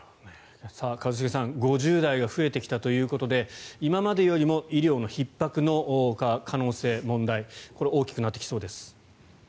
一茂さん５０代が増えてきたということで今までよりも医療のひっ迫の可能性、問題大きくなってきそうです。